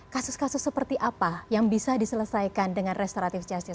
kasus kasus seperti apa yang bisa diselesaikan dengan restoratif justice